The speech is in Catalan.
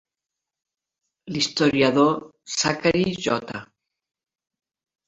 L'historiador Zachary J.